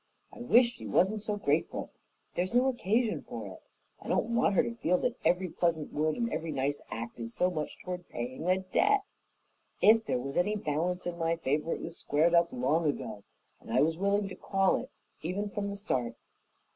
I wish she wasn't so grateful; there's no occasion for it. I don't want her to feel that every pleasant word and every nice act is so much toward paying a debt. If there was any balance in my favor it was squared up long ago, and I was willing to call it even from the start.